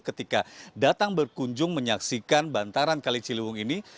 ketika datang berkunjung menyaksikan bantaran kali ciliwung ini